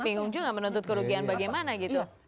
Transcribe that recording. bingung juga menuntut kerugian bagaimana gitu